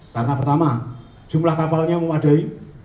karena pertama jumlah kapalnya memadai